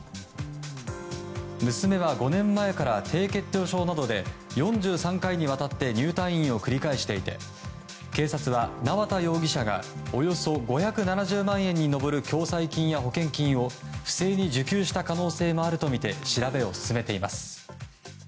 娘は５年前から、低血糖症などで４３回にわたって入退院を繰り返していて警察は縄田容疑者がおよそ５７０万円に上る共済金や保険金を不正に受給した可能性もあるとみて調べを進めています。